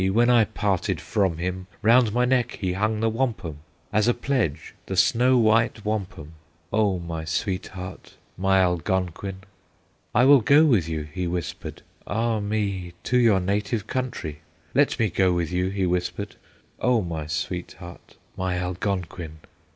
when I parted from him, Round my neck he hung the wampum, As a pledge, the snow white wampum, O my sweetheart, my Algonquin! "'I will go with you,' he whispered, 'Ah me! to your native country; Let me go with you,' he whispered, 'O my sweetheart, my Algonquin!